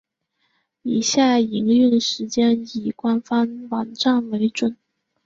以下营运时间以官方网站为准。